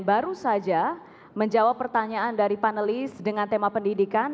baru saja menjawab pertanyaan dari panelis dengan tema pendidikan